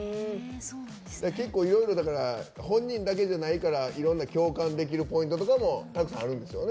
結構、いろいろ本人だけじゃないから共感できるポイントもたくさんあるんでしょうね。